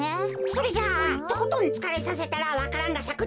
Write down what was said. それじゃあとことんつかれさせたらわか蘭がさくってか？